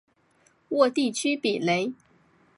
沃地区比雷。